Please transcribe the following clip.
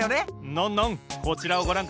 ノンノンこちらをごらんください。